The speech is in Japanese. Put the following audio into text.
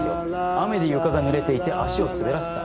雨で床が濡れていて足を滑らせた。